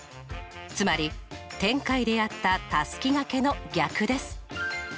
つまり展開でやったたすきがけの逆です。